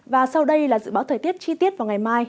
và sau đây là dự báo thời tiết chi tiết vào ngày mai